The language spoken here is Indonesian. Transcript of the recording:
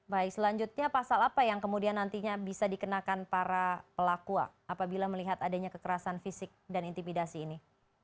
baik selanjutnya pasal apa yang kemudian nantinya bisa dikenakan para pelaku apabila melihat adanya kekerasan fisik dan intimidasi ini